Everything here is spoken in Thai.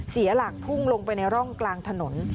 เสียหลักพุ่งลงไปในร่องกลางถนน